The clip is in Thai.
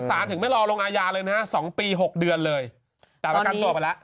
ถึงไม่รอลงอาญาเลยนะฮะ๒ปี๖เดือนเลยแต่ประกันตัวไปแล้ว